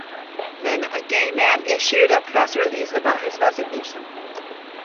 Hauptman, a gay man, issued a press release about his resignation.